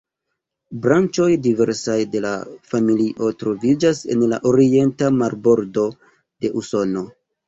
Branĉoj diversaj de la familio troviĝas en la Orienta marbordo de Usono.